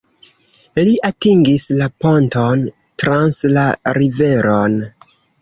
Li atingis la ponton trans la riveron.